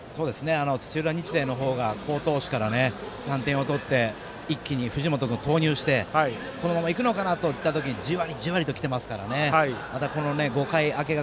土浦日大のほうが好投手から３点を取って一気に藤本君を投入してこのままいくのかなと思った時にじわりじわりと、きていますからまたこの５回明けが